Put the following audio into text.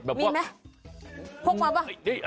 พกมาป่ะ